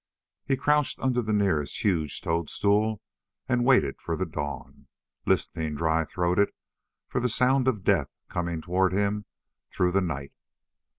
He crouched under the nearest huge toadstool and waited for the dawn, listening dry throated for the sound of death coming toward him through the night.